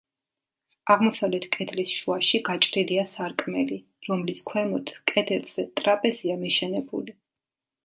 აღმოსავლეთ კედლის შუაში გაჭრილია სარკმელი, რომლის ქვემოთ, კედელზე, ტრაპეზია მიშენებული.